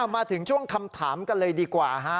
มาถึงช่วงคำถามกันเลยดีกว่าฮะ